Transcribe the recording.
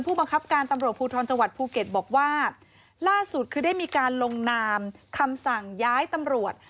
ผู้บังคับการตำรวจภูทรจังหวัดภูเก็ตบอกว่าล่าสุดคือได้มีการลงนามคำสั่งย้ายตำรวจ